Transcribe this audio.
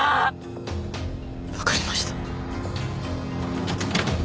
わかりました。